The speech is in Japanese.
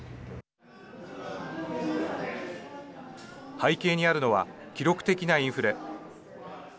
背景にあるのは記録的なインフレ。